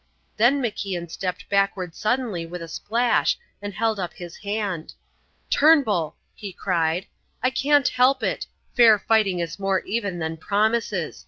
Then MacIan stepped backward suddenly with a splash and held up his hand. "Turnbull!" he cried; "I can't help it fair fighting is more even than promises.